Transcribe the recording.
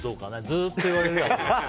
ずっと言われるよ。